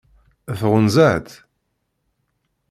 Tɣunza-tt?